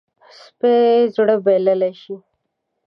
سپي زړه بایللی شي.